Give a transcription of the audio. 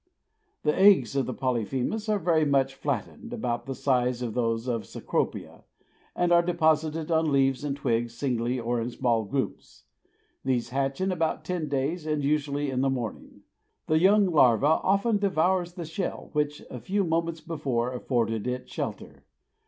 The eggs of Polyphemus are very much flattened, about the size of those of Cecropia, and are deposited on leaves and twigs singly or in small groups. These hatch in about ten days and usually in the morning. The young larva often devours the shell which a few moments before afforded it shelter.